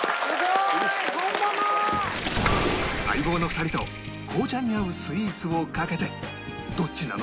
『相棒』の２人と紅茶に合うスイーツをかけてどっちなの？